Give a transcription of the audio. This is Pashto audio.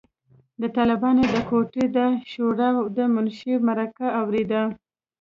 د طالبانو د کوټې د شورای د منشي مرکه اورېده.